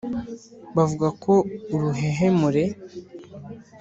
Bavuga ko uruhehemure